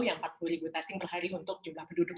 yang empat puluh ribu testing per hari untuk jumlah penduduk